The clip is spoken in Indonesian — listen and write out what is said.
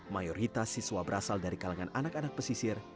mayoritas siswa berasal dari kalangan anak anak pesisir